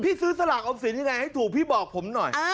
ซื้อสลากออมสินยังไงให้ถูกพี่บอกผมหน่อย